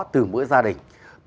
từ mỗi gia đình